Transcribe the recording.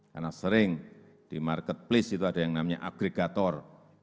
karena sering di marketplace itu ada yang namanya agregator